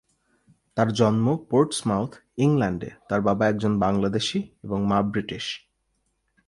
তার জন্ম পোর্টসমাউথ, ইংল্যান্ডে, তার বাবা একজন বাংলাদেশী এবং মা ব্রিটিশ।